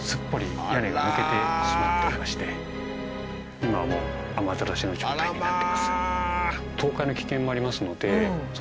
今はもう雨ざらしの状態になってます。